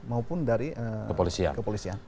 maupun dari kepolisian